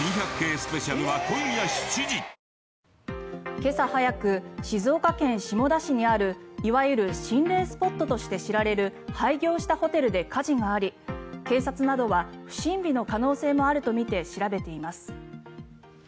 今朝早く静岡県下田市にあるいわゆる心霊スポットとして知られる廃業したホテルで火事があり警察などは不審火の可能性もあるとみて調べています。